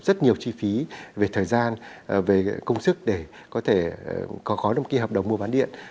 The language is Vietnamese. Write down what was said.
rất nhiều chi phí về thời gian về công sức để có thể có khói đồng kia hợp đồng mua bán điện